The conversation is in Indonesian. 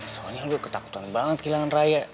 soalnya lu ketakutan banget kehilangan rai